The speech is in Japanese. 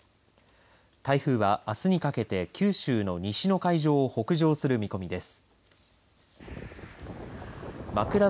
台風は、あすにかけて九州の西の海上を北上する見込みです。